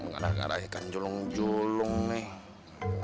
gak ada ikan julung julung nih